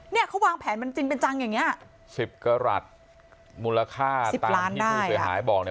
เนี่ยเขาวางแผนมันจริงเป็นจังอย่างเงี้ยสิบกรัฐมูลค่าตามที่ผู้เสียหายบอกเนี่ย